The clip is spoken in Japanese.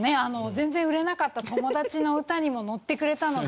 全然売れなかった『ともだちのうた』にものってくれたので。